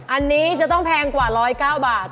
อันนี้จะต้องแพงกว่า๑๐๙บาท